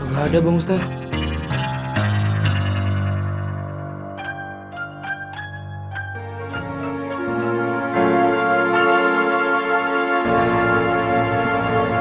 nggak ada bung ustadz